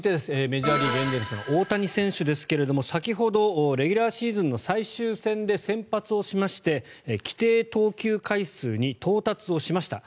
メジャーリーグ、エンゼルスの大谷選手ですが先ほどレギュラーシーズンの最終戦で先発をしまして規定投球回数に到達をしました。